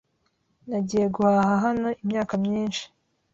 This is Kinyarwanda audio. Nagiye guhaha hano imyaka myinshi.